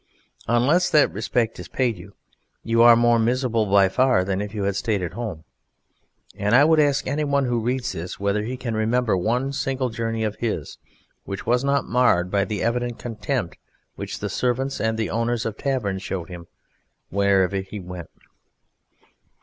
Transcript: Unless that respect is paid you you are more miserable by far than if you had stayed at home, and I would ask anyone who reads this whether he can remember one single journey of his which was not marred by the evident contempt which the servants and the owners of taverns showed for him wherever he went?